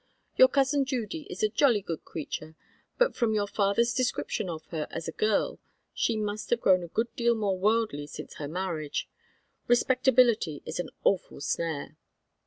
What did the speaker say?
"Your cousin Judy is a jolly good creature, but from your father's description of her as a girl, she must have grown a good deal more worldly since her marriage. Respectability is an awful snare."